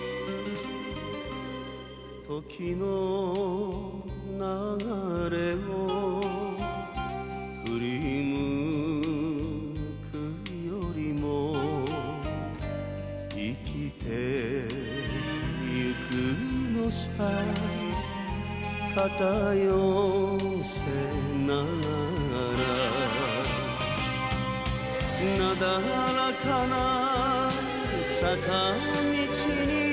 「時の流れを振り向くよりも」「生きてゆくのさ肩寄せながら」「なだらかな坂道に花が咲くように」